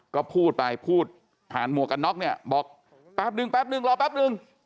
ก็พูดไปพูดผ่านหมวกกันน็อกเนี่ยบอกแป๊บนึงแป๊บนึงรอแป๊บนึง